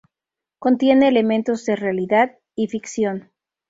Contiene elementos de realidad y ficción.